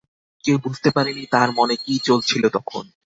কেউ বুঝতে পারেনি তার মনে কি চলছিলো তখন।